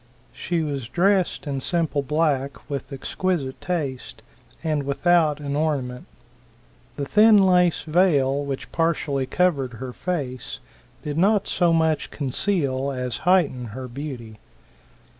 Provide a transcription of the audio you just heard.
She was dressed in simple black, with exquisite taste, and without an ornament. The thin lace vail which partially covered her face did not so much conceal as heighten her beauty.